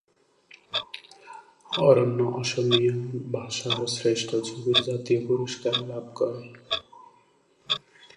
অরণ্য অসমীয়া ভাষার শ্রেষ্ঠ ছবির জাতীয় পুরস্কার লাভ করে।